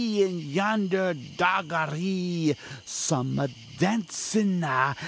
in yonder doggery some a dancin ah!